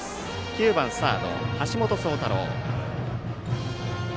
９番サード、橋本颯太郎。